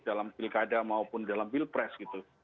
dalam pilkada maupun dalam pilpres gitu